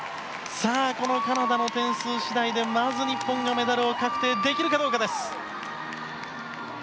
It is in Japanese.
さあ、このカナダの点数次第でまず日本がメダルを確定できるかどうか。